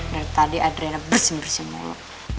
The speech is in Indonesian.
dari tadi adrena bersin bersin mulu